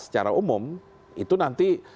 secara umum itu nanti